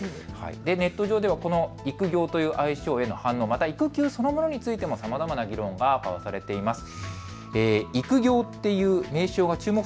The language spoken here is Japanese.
ネット上ではこの育業という愛称への反応や育休そのものにもさまざまな議論が交わされています。